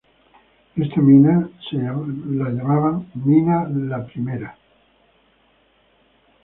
Esta mina fue llamada "Mina la Primera".